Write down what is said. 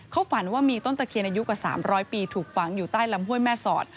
เขาฝันว่ามีต้นตะเคียนอายุกว่า๓๐๐ปีถูกฝังอยู่ใต้ลำห้วยแม่สอด